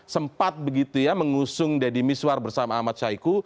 sempat begitu ya mengusung deddy miswar bersama ahmad syahiku